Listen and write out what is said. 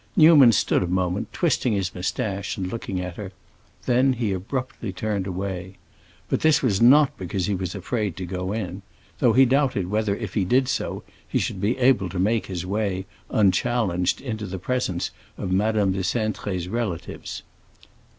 Newman stood a moment, twisting his moustache and looking at her; then he abruptly turned away. But this was not because he was afraid to go in—though he doubted whether, if he did so, he should be able to make his way, unchallenged, into the presence of Madame de Cintré's relatives.